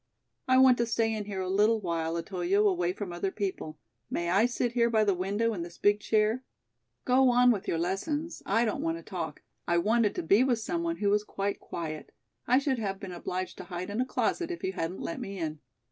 "I want to stay in here a little while, Otoyo, away from other people. May I sit here by the window in this big chair? Go on with your lessons. I don't want to talk. I wanted to be with someone who was quite quiet. I should have been obliged to hide in a closet if you hadn't let me in."